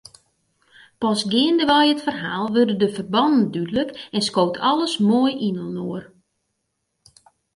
Pas geandewei it ferhaal wurde de ferbannen dúdlik en skoot alles moai yninoar.